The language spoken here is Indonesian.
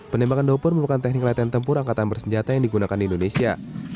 penembakan doper merupakan teknik latihan tempur angkatan bersenjata yang digunakan di indonesia